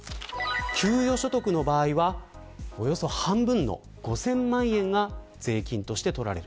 給与所得の場合はおよそ半分の５０００万円が税金として取られる。